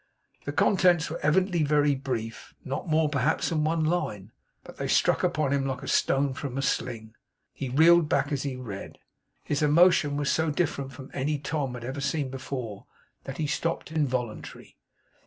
The contents were evidently very brief; not more perhaps than one line; but they struck upon him like a stone from a sling. He reeled back as he read. His emotion was so different from any Tom had ever seen before that he stopped involuntarily.